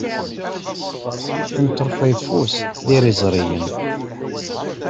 Imeṭṭurfa uyeffus d iriẓriyen.